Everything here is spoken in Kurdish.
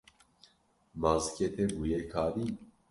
Ma zikê te bûye kadîn.